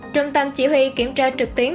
trung tâm chỉ huy kiểm tra trực tuyến